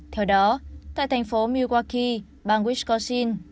theo đó tại thành phố milwaukee bang wisconsin